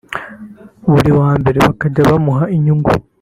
buri wa mbere bakajya bamuha inyungu